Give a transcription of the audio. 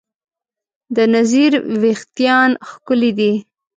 د نذیر وېښتیان ښکلي دي.